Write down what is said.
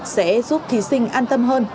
sẽ giúp thí sinh an tâm hơn